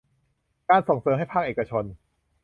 การส่งเสริมให้ภาคเอกชน